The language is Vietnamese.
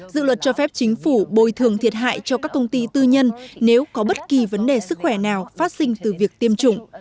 dự luật cho phép chính phủ bồi thường thiệt hại cho các công ty tư nhân nếu có bất kỳ vấn đề sức khỏe nào phát sinh từ việc tiêm chủng